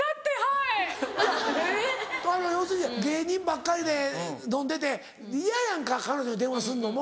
いや要するに芸人ばっかりで飲んでて嫌やんか彼女に電話すんのも。